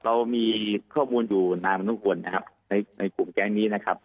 ข้อมูลเนี่ยเรามีข้อมูลอยู่นานเหมือนทุกคนนะครับในกลุ่มแก๊งนี้นะครับ